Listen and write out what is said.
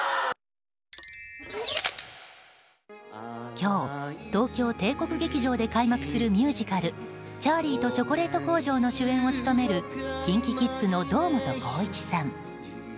今日東京・帝国劇場で開幕するミュージカル「チャーリーとチョコレート工場」の主演を務めるＫｉｎＫｉＫｉｄｓの堂本光一さん。